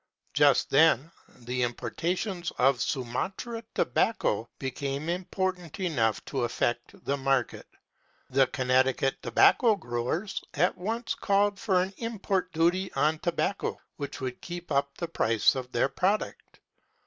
Just then the importations of Sumatra tobacco became important enough to affect the market. The Connecticut tobacco growers at once called for an import duty on tobacco which would keep up the price of their product.